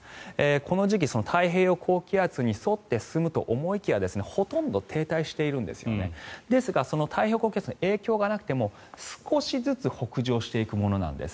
この時期、太平洋高気圧に沿って進むと思いきやほとんど停滞しているんですよねですが、太平洋高気圧の影響がなくても少しずつ北上していくものなんです。